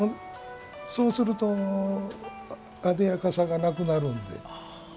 そうするとあでやかさがなくなるので。